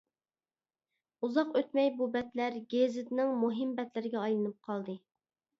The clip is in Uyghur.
ئۇزاق ئۆتمەي بۇ بەتلەر گېزىتنىڭ مۇھىم بەتلىرىگە ئايلىنىپ قالدى.